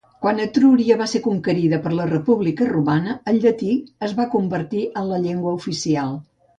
Quan Etruria va ser conquerida per la República romana, el llatí es va convertir en la llengua oficial.